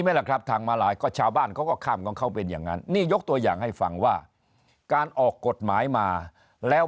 ไหมล่ะครับทางมาลายก็ชาวบ้านเขาก็ข้ามของเขาเป็นอย่างนั้นนี่ยกตัวอย่างให้ฟังว่าการออกกฎหมายมาแล้ว